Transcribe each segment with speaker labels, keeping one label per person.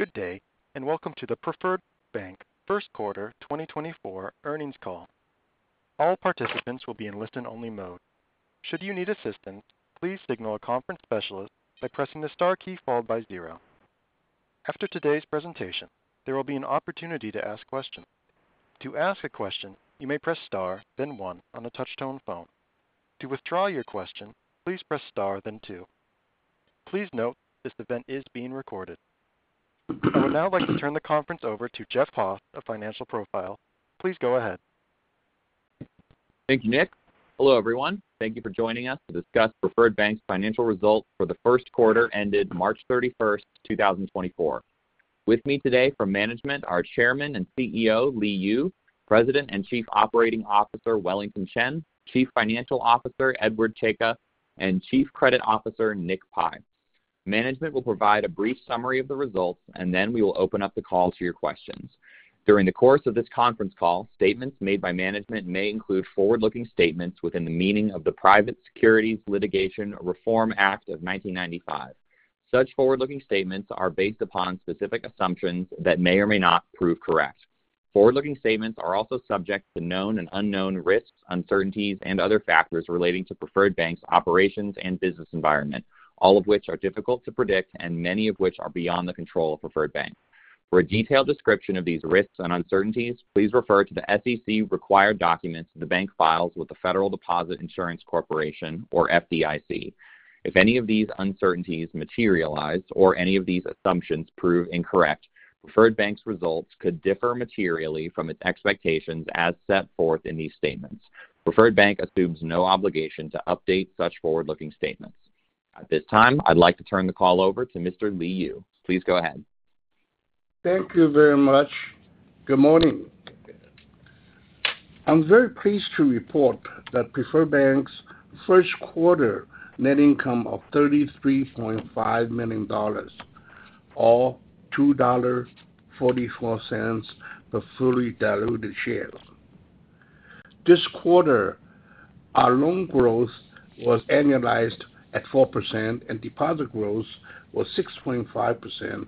Speaker 1: Good day and welcome to the Preferred Bank first quarter 2024 earnings call. All participants will be in listen-only mode. Should you need assistance, please signal a conference specialist by pressing the star key followed by 0. After today's presentation, there will be an opportunity to ask questions. To ask a question, you may press star, then 1 on a touch-tone phone. To withdraw your question, please press star, then 2. Please note this event is being recorded. I would now like to turn the conference over to Jeff Haas from Financial Profiles. Please go ahead.
Speaker 2: Thank you, Nick. Hello, everyone. Thank you for joining us to discuss Preferred Bank's financial results for the first quarter ended March 31, 2024. With me today from management are Chairman and CEO Li Yu, President and Chief Operating Officer Wellington Chen, Chief Financial Officer Edward Czajka, and Chief Credit Officer Nick Pi. Management will provide a brief summary of the results, and then we will open up the call to your questions. During the course of this conference call, statements made by management may include forward-looking statements within the meaning of the Private Securities Litigation Reform Act of 1995. Such forward-looking statements are based upon specific assumptions that may or may not prove correct. Forward-looking statements are also subject to known and unknown risks, uncertainties, and other factors relating to Preferred Bank's operations and business environment, all of which are difficult to predict and many of which are beyond the control of Preferred Bank. For a detailed description of these risks and uncertainties, please refer to the SEC-required documents the bank files with the Federal Deposit Insurance Corporation, or FDIC. If any of these uncertainties materialize or any of these assumptions prove incorrect, Preferred Bank's results could differ materially from its expectations as set forth in these statements. Preferred Bank assumes no obligation to update such forward-looking statements. At this time, I'd like to turn the call over to Mr. Li Yu. Please go ahead.
Speaker 3: Thank you very much. Good morning. I'm very pleased to report that Preferred Bank's first quarter net income of $33.5 million or $2.44 per fully diluted share. This quarter, our loan growth was annualized at 4% and deposit growth was 6.5%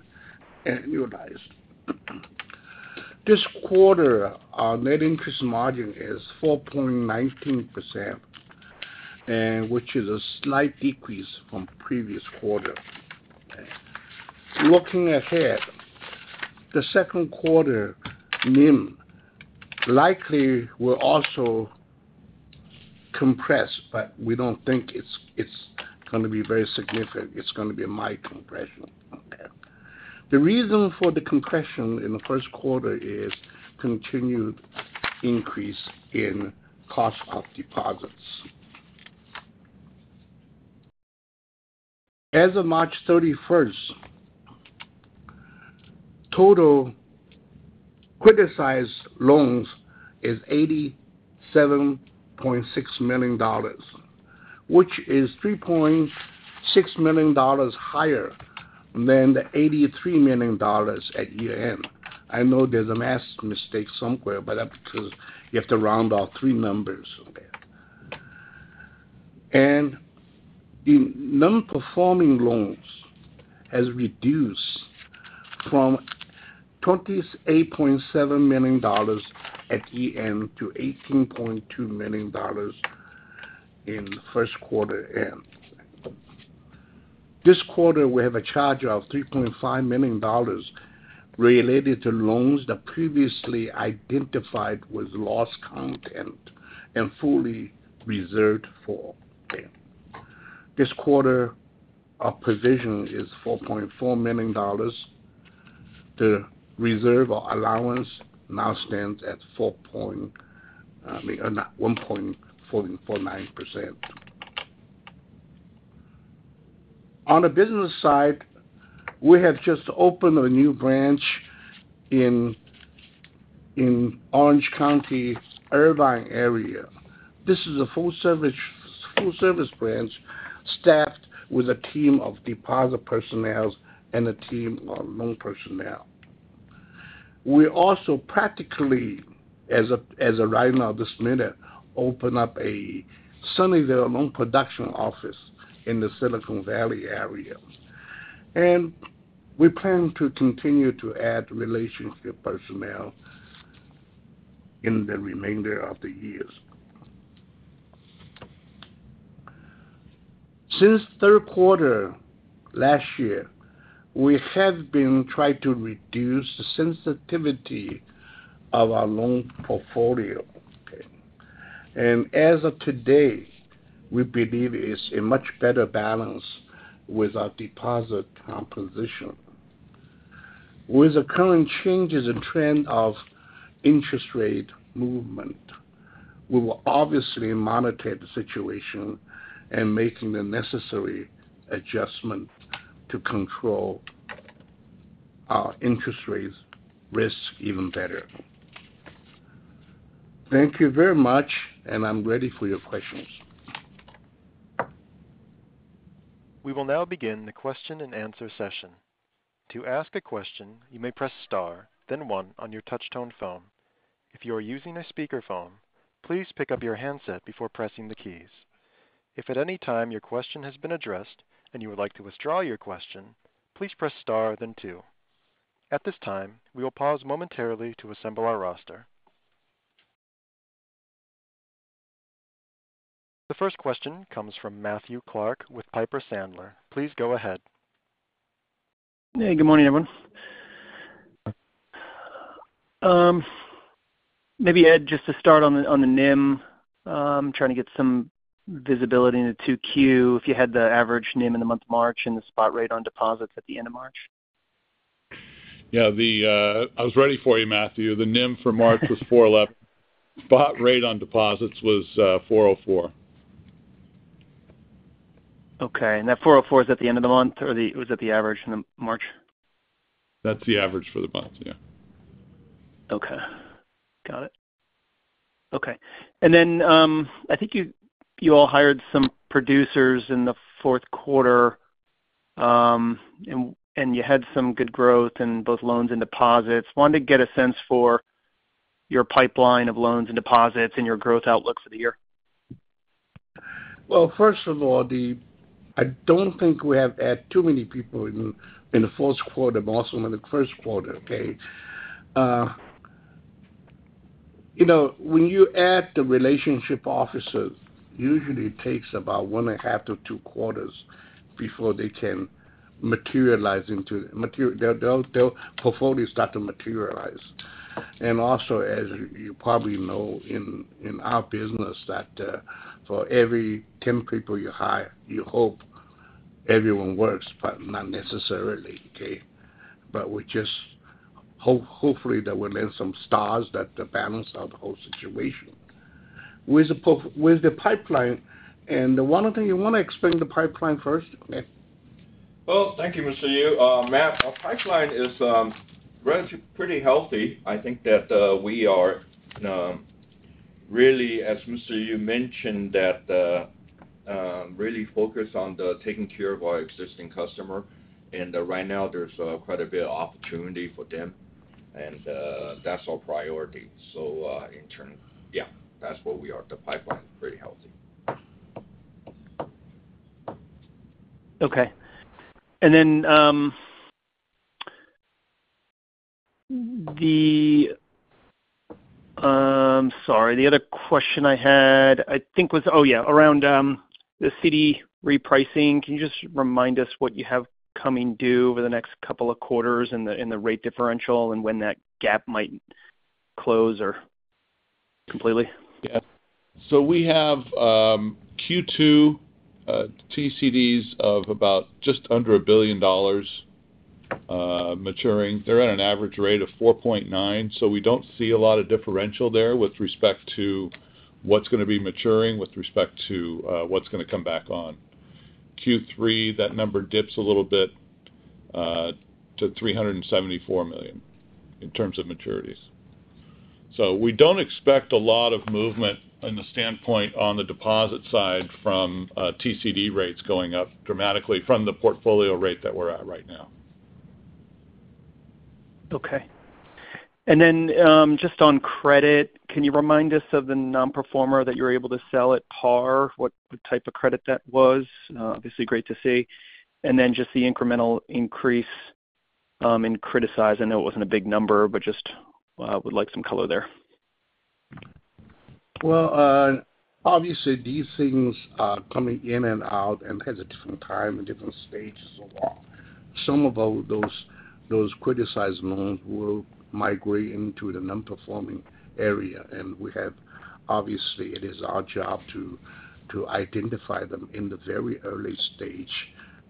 Speaker 3: annualized. This quarter, our net interest margin is 4.19%, which is a slight decrease from previous quarter. Looking ahead, the second quarter NIM likely will also compress, but we don't think it's going to be very significant. It's going to be a mild compression. The reason for the compression in the first quarter is continued increase in cost of deposits. As of March 31, total criticized loans is $87.6 million, which is $3.6 million higher than the $83 million at year-end. I know there's a math mistake somewhere, but that's because you have to round off three numbers. Non-performing loans have reduced from $28.7 million at year-end to $18.2 million in first quarter-end. This quarter, we have a charge of $3.5 million related to loans that previously identified with loss content and fully reserved for. This quarter, our provision is $4.4 million. The reserve or allowance now stands at 4.0, I mean, 1.49%. On the business side, we have just opened a new branch in Orange County, Irvine area. This is a full-service branch staffed with a team of deposit personnel and a team of loan personnel. We also, practically, as of right now, this minute, opened up a Sunnyvale Loan Production Office in the Silicon Valley area. We plan to continue to add relationship personnel in the remainder of the years. Since third quarter last year, we have been trying to reduce the sensitivity of our loan portfolio. As of today, we believe it's a much better balance with our deposit composition. With the current changes and trend of interest rate movement, we will obviously monitor the situation and make the necessary adjustments to control our interest rate risk even better. Thank you very much, and I'm ready for your questions.
Speaker 1: We will now begin the question-and-answer session. To ask a question, you may press star, then 1 on your touch-tone phone. If you are using a speakerphone, please pick up your handset before pressing the keys. If at any time your question has been addressed and you would like to withdraw your question, please press star, then 2. At this time, we will pause momentarily to assemble our roster. The first question comes from Matthew Clark with Piper Sandler. Please go ahead.
Speaker 4: Hey, good morning, everyone. Maybe Ed, just to start on the NIM, I'm trying to get some visibility into 2Q, if you had the average NIM in the month of March and the spot rate on deposits at the end of March?
Speaker 5: Yeah, I was ready for you, Matthew. The NIM for March was 4.11%. Spot rate on deposits was 4.04%.
Speaker 4: Okay. That 4.04% is at the end of the month, or was it the average in March?
Speaker 5: That's the average for the month, yeah.
Speaker 4: Okay. Got it. Okay. And then I think you all hired some producers in the fourth quarter, and you had some good growth in both loans and deposits. Wanted to get a sense for your pipeline of loans and deposits and your growth outlook for the year.
Speaker 3: Well, first of all, I don't think we have added too many people in the fourth quarter, but also in the first quarter, okay? When you add the relationship officers, usually it takes about 1.5-2 quarters before they can materialize into their portfolio start to materialize. And also, as you probably know in our business, that for every 10 people you hire, you hope everyone works, but not necessarily, okay? But hopefully, that we'll land some stars that balance out the whole situation. With the pipeline and one of the things you want to explain the pipeline first, okay?
Speaker 2: Well, thank you, Mr. Yu. Matt, our pipeline is relatively pretty healthy. I think that we are really, as Mr. Yu mentioned, that really focused on taking care of our existing customer. Right now, there's quite a bit of opportunity for them, and that's our priority. In turn, yeah, that's where we are. The pipeline is pretty healthy.
Speaker 4: Okay. I'm sorry. The other question I had, I think, was oh, yeah, around the CD repricing. Can you just remind us what you have coming due over the next couple of quarters in the rate differential and when that gap might close completely?
Speaker 5: Yeah. So we have Q2 TCDs of about just under $1 billion maturing. They're at an average rate of 4.9, so we don't see a lot of differential there with respect to what's going to be maturing, with respect to what's going to come back on. Q3, that number dips a little bit to $374 million in terms of maturities. So we don't expect a lot of movement from the standpoint on the deposit side from TCD rates going up dramatically from the portfolio rate that we're at right now.
Speaker 4: Okay. And then just on credit, can you remind us of the non-performer that you were able to sell at par, what type of credit that was? Obviously, great to see. And then just the incremental increase in criticized. I know it wasn't a big number, but just would like some color there.
Speaker 3: Well, obviously, these things are coming in and out and at different times, at different stages of work. Some of those criticized loans will migrate into the non-performing area, and obviously, it is our job to identify them in the very early stage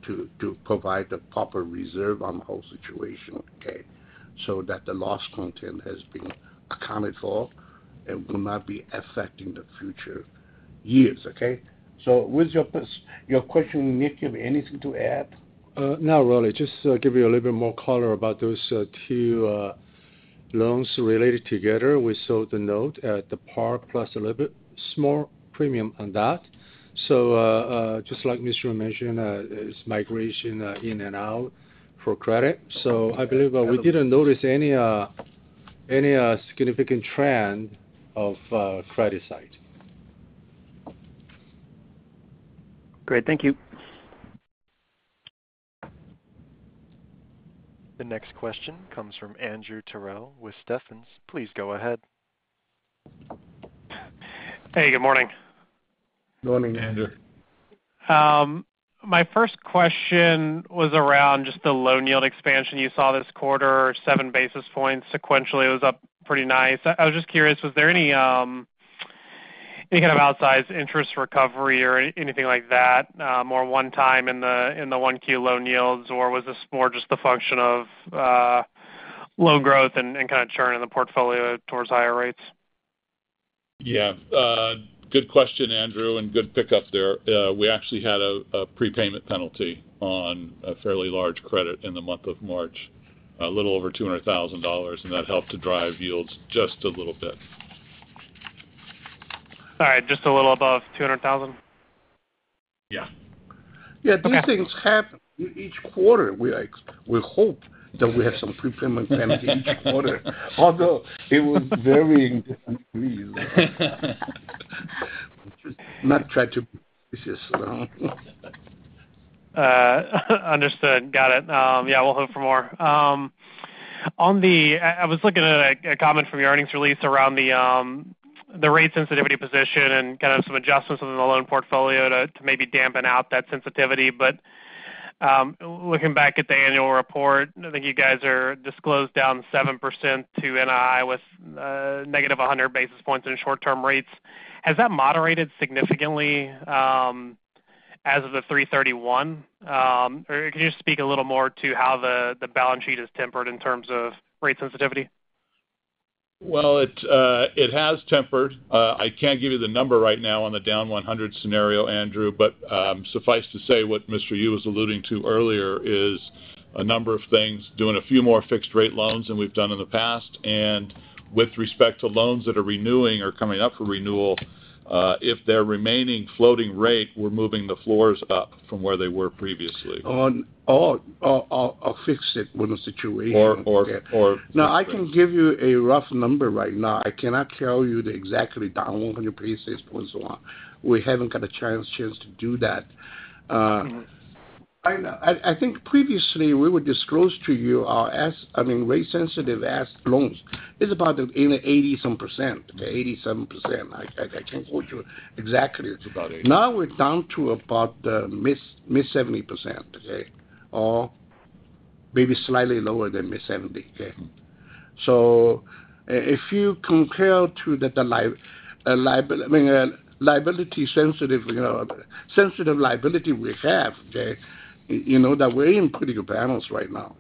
Speaker 3: to provide a proper reserve on the whole situation, okay, so that the loss content has been accounted for and will not be affecting the future years, okay? So with your question, Nick, do you have anything to add?
Speaker 6: No, really. Just give you a little bit more color about those two loans related together. We sold the note at the par plus a little bit smaller premium on that. So just like Mr. Yu mentioned, it's migration in and out for credit. So I believe we didn't notice any significant trend of credit side.
Speaker 4: Great. Thank you.
Speaker 1: The next question comes from Andrew Terrell with Stephens. Please go ahead.
Speaker 7: Hey, good morning.
Speaker 8: Good morning, Andrew.
Speaker 7: My first question was around just the loan yield expansion you saw this quarter, 7 basis points sequentially. It was up pretty nice. I was just curious, was there any kind of outsized interest recovery or anything like that more one-time in the 1Q loan yields, or was this more just the function of loan growth and kind of churn in the portfolio towards higher rates?
Speaker 5: Yeah. Good question, Andrew, and good pickup there. We actually had a prepayment penalty on a fairly large credit in the month of March, a little over $200,000, and that helped to drive yields just a little bit.
Speaker 7: All right. Just a little above 200,000?
Speaker 8: Yeah.
Speaker 3: Yeah, these things happen each quarter. We hope that we have some prepayment penalty each quarter, although it was varying degrees. I'm just not trying to be cynical at all.
Speaker 7: Understood. Got it. Yeah, we'll hope for more. I was looking at a comment from your earnings release around the rate sensitivity position and kind of some adjustments within the loan portfolio to maybe dampen out that sensitivity. But looking back at the annual report, I think you guys are disclosed down 7% to NII with -100 basis points in short-term rates. Has that moderated significantly as of the 3/31? Or can you just speak a little more to how the balance sheet is tempered in terms of rate sensitivity?
Speaker 5: Well, it has tempered. I can't give you the number right now on the down 100 scenario, Andrew, but suffice to say what Mr. Yu was alluding to earlier is a number of things doing a few more fixed-rate loans than we've done in the past. And with respect to loans that are renewing or coming up for renewal, if they're remaining floating rate, we're moving the floors up from where they were previously.
Speaker 3: Oh, I'll fix it with the situation.
Speaker 5: Or, or, or.
Speaker 3: No, I can give you a rough number right now. I cannot tell you the exactly down 100 basis points or what. We haven't got a chance to do that. I think previously, we were disclosed to you our I mean, rate-sensitive asset loans. It's about in the 80-some percent, okay? 87%. I can't quote you exactly.
Speaker 5: It's about 80.
Speaker 3: Now we're down to about mid-70%, okay? Or maybe slightly lower than mid-70, okay? So if you compare to the—I mean, liability-sensitive liability we have, okay—that we're in pretty good balance right now.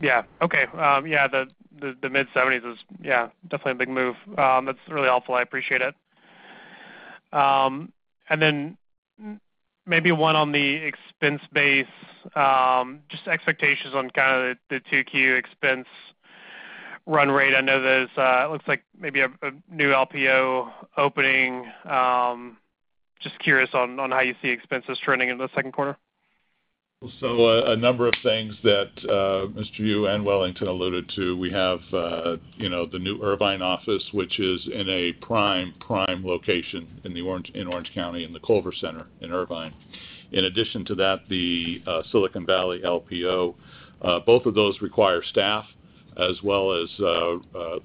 Speaker 7: Yeah. Okay. Yeah, the mid-70s was, yeah, definitely a big move. That's really helpful. I appreciate it. And then maybe one on the expense base, just expectations on kind of the 2Q expense run rate. I know. There's it looks like maybe a new LPO opening. Just curious on how you see expenses turning in the second quarter.
Speaker 5: So a number of things that Mr. Yu and Wellington alluded to. We have the new Irvine office, which is in a prime, prime location in Orange County in the Culver Center in Irvine. In addition to that, the Silicon Valley LPO, both of those require staff as well as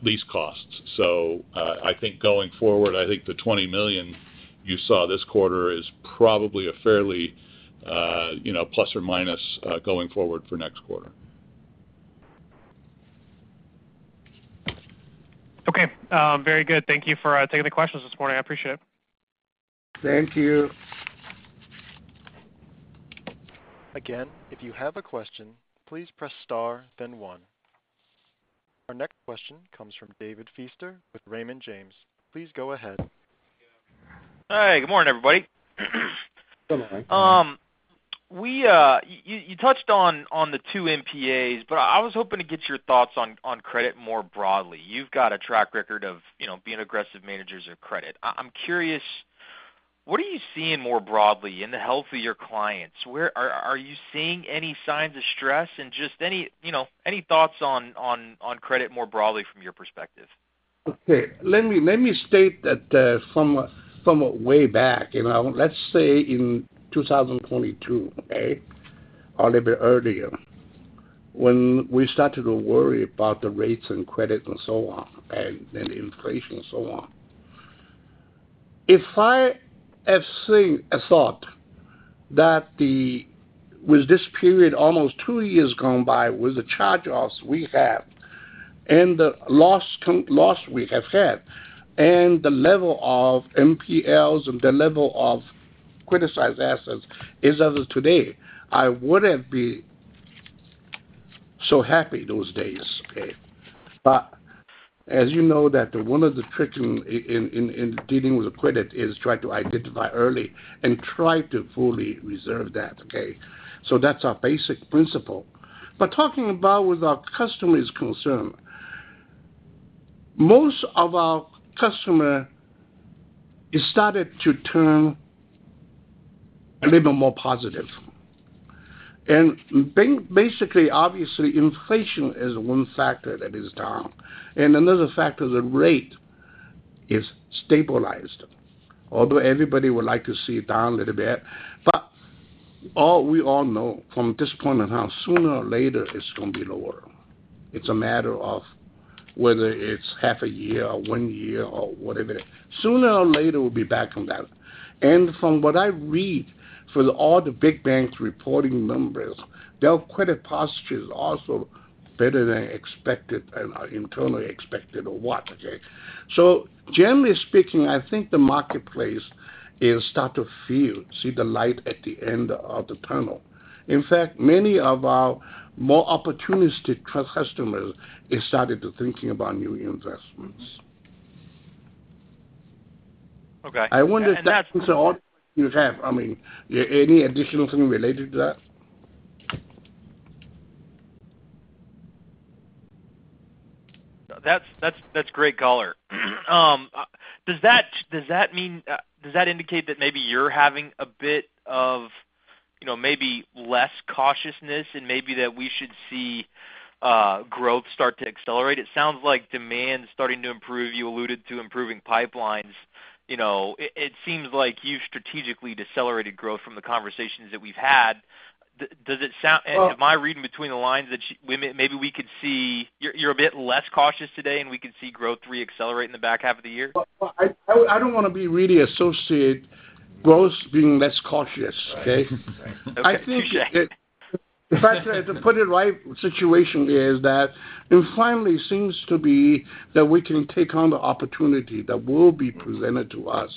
Speaker 5: lease costs. So I think going forward, I think the $20 million you saw this quarter is probably a fairly plus or minus going forward for next quarter.
Speaker 7: Okay. Very good. Thank you for taking the questions this morning. I appreciate it.
Speaker 3: Thank you.
Speaker 1: Again, if you have a question, please press star, then one. Our next question comes from David Feaster with Raymond James. Please go ahead.
Speaker 9: Hey, good morning, everybody.
Speaker 8: Good morning.
Speaker 9: You touched on the two NPAs, but I was hoping to get your thoughts on credit more broadly. You've got a track record of being aggressive managers of credit. I'm curious, what are you seeing more broadly in the health of your clients? Are you seeing any signs of stress and just any thoughts on credit more broadly from your perspective?
Speaker 3: Okay. Let me state that from way back, let's say in 2022, okay, or a little bit earlier, when we started to worry about the rates and credit and so on and the inflation and so on, if I have seen a thought that with this period, almost two years gone by, with the charge-offs we have and the loss we have had and the level of NPLs and the level of criticized assets is as of today, I wouldn't be so happy those days, okay? But as you know, that one of the tricks in dealing with the credit is try to identify early and try to fully reserve that, okay? So that's our basic principle. But talking about with our customer's concern, most of our customer started to turn a little bit more positive. And basically, obviously, inflation is one factor that is down. Another factor is the rate is stabilized, although everybody would like to see it down a little bit. We all know from this point on now, sooner or later, it's going to be lower. It's a matter of whether it's half a year or one year or whatever it is. Sooner or later, we'll be back on that. From what I read for all the big banks reporting numbers, their credit postures are also better than internally expected or what, okay? Generally speaking, I think the marketplace is starting to feel, see the light at the end of the tunnel. In fact, many of our more opportunistic customers are starting to think about new investments.
Speaker 9: Okay. And that's.
Speaker 3: I wonder if that's all the questions you have. I mean, any additional thing related to that?
Speaker 9: That's great color. Does that mean does that indicate that maybe you're having a bit of maybe less cautiousness and maybe that we should see growth start to accelerate? It sounds like demand is starting to improve. You alluded to improving pipelines. It seems like you've strategically decelerated growth from the conversations that we've had. Does it sound if I'm reading between the lines that maybe we could see you're a bit less cautious today, and we could see growth re-accelerate in the back half of the year?
Speaker 3: Well, I don't want to be really associated growth being less cautious, okay? I think that if I try to put it right, the situation is that it finally seems to be that we can take on the opportunity that will be presented to us,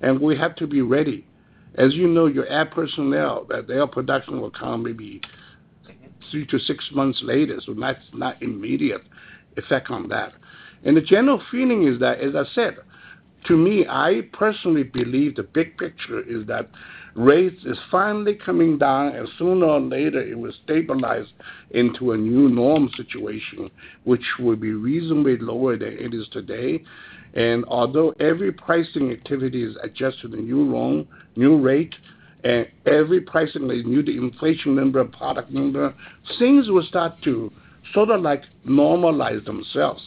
Speaker 3: and we have to be ready. As you know, your ad personnel, that their production will come maybe three to six months later, so that's not immediate effect on that. The general feeling is that, as I said, to me, I personally believe the big picture is that rates are finally coming down, and sooner or later, it will stabilize into a new norm situation, which will be reasonably lower than it is today. Although every pricing activity is adjusted to the new rate, and every pricing is new, the inflation number, product number, things will start to sort of normalize themselves.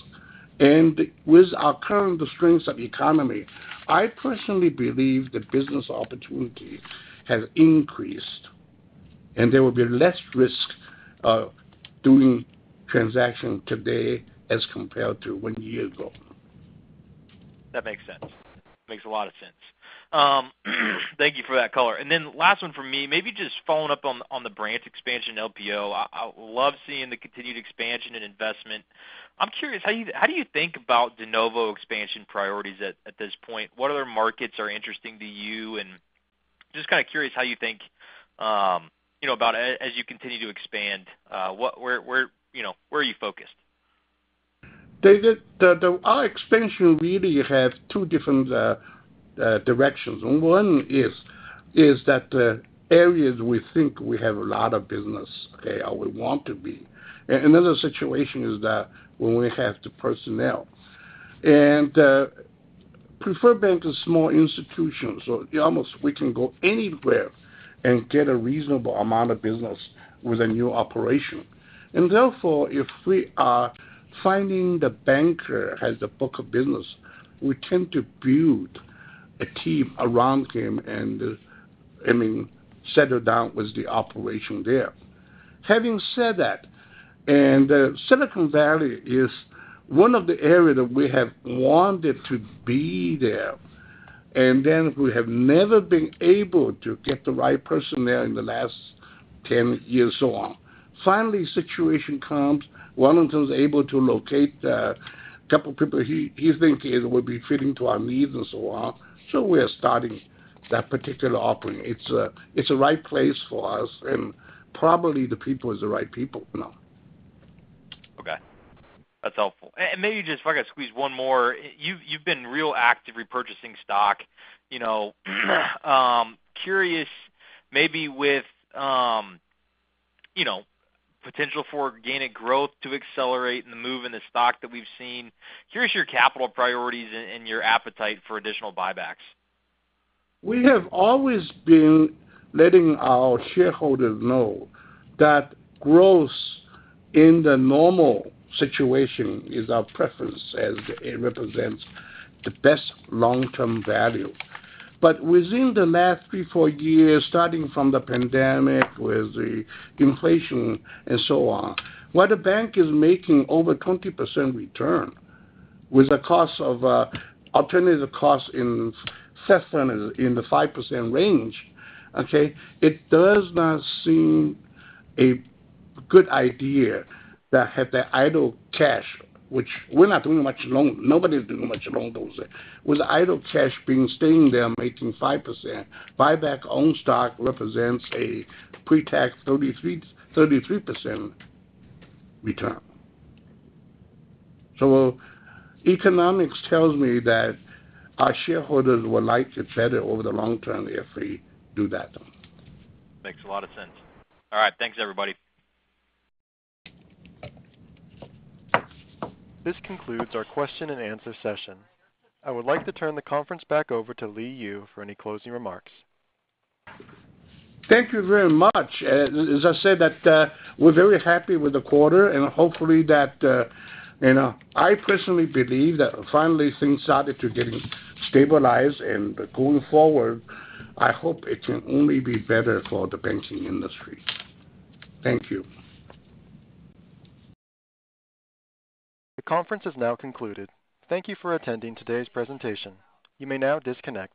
Speaker 3: With our current strengths of the economy, I personally believe the business opportunity has increased, and there will be less risk doing transactions today as compared to one year ago.
Speaker 9: That makes sense. Makes a lot of sense. Thank you for that color. And then last one from me, maybe just following up on the branch expansion LPO. I love seeing the continued expansion and investment. I'm curious, how do you think about de novo expansion priorities at this point? What other markets are interesting to you? And just kind of curious how you think about as you continue to expand, where are you focused?
Speaker 3: David, our expansion really has two different directions. One is that the areas we think we have a lot of business, okay, or we want to be. Another situation is that when we have the personnel. And Preferred Bank is small institutions, so almost we can go anywhere and get a reasonable amount of business with a new operation. And therefore, if we are finding the banker has the book of business, we tend to build a team around him and, I mean, settle down with the operation there. Having said that, and Silicon Valley is one of the areas that we have wanted to be there, and then we have never been able to get the right personnel in the last 10 years so on. Finally, the situation comes. Wellington's able to locate a couple of people he thinks will be fitting to our needs and so on. We are starting that particular offering. It's the right place for us, and probably the people are the right people now.
Speaker 9: Okay. That's helpful. Maybe just if I got to squeeze one more, you've been real active repurchasing stock. Curious maybe with potential for organic growth to accelerate and the move in the stock that we've seen, here's your capital priorities and your appetite for additional buybacks?
Speaker 3: We have always been letting our shareholders know that growth in the normal situation is our preference as it represents the best long-term value. But within the last 3-4 years, starting from the pandemic with the inflation and so on, while the bank is making over 20% return with the alternative cost in 5% range, okay, it does not seem a good idea that had the idle cash, which we're not doing much loan. Nobody's doing much loan those days. With idle cash staying there making 5%, buyback on stock represents a pre-tax 33% return. So economics tells me that our shareholders will like it better over the long term if we do that.
Speaker 9: Makes a lot of sense. All right. Thanks, everybody.
Speaker 1: This concludes our question-and-answer session. I would like to turn the conference back over to Li Yu for any closing remarks.
Speaker 3: Thank you very much. As I said that we're very happy with the quarter, and hopefully that I personally believe that finally things started to getting stabilized. Going forward, I hope it can only be better for the banking industry. Thank you.
Speaker 1: The conference has now concluded. Thank you for attending today's presentation. You may now disconnect.